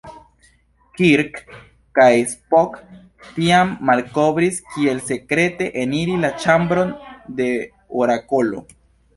Kirk kaj Spock tiam malkovris kiel sekrete eniri la ĉambron de Orakolo.